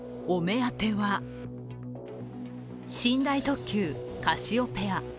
お目当ては寝台特急カシオペア。